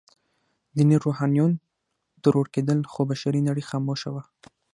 ديني روحانيون ترور کېدل، خو بشري نړۍ خاموشه وه.